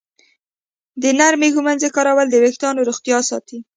د نرمې ږمنځې کارول د ویښتانو روغتیا ساتي.